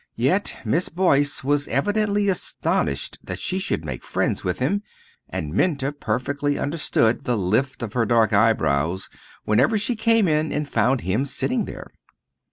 Yet Miss Boyce was evidently astonished that she could make friends with him, and Minta perfectly understood the lift of her dark eyebrows whenever she came in and found him sitting there.